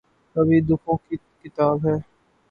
کبھی دکھوں کی کتاب ہے